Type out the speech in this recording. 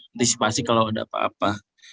antisipasi kalau ada apa apa